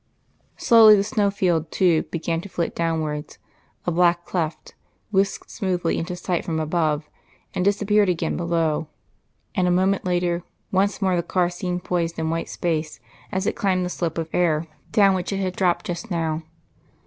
Slowly the snowfield too began to flit downwards, a black cleft, whisked smoothly into sight from above, and disappeared again below, and a moment later once more the car seemed poised in white space as it climbed the slope of air down which it had dropped just now.